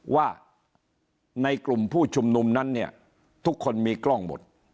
ว่าในกลุ่มผู้ชุมนุมนั้นเนี่ยทุกคนมีกล้องหมด